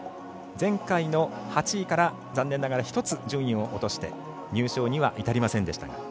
前回の８位から残念ながら１つ順位を落として入賞には至りませんでした。